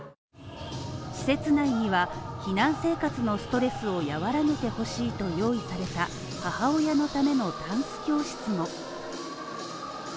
施設内には避難生活のストレスを和らげてほしいと用意された母親のためのダンス教室も。